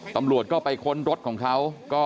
ตำรวจก็ไปค้นรถของเขา